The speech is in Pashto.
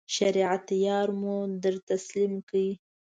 شریعت یار مو در تسلیم کړ.